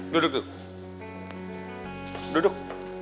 duduk duduk duduk